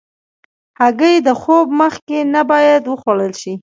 هګۍ د خوب مخکې نه باید وخوړل شي.